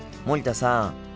森田さん